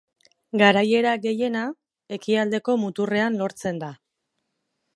Garaiera gehiena, ekialdeko muturrean lortzen da.